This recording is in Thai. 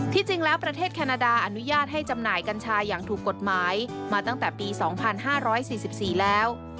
จริงแล้วประเทศแคนาดาอนุญาตให้จำหน่ายกัญชาอย่างถูกกฎหมายมาตั้งแต่ปี๒๕๔๔แล้ว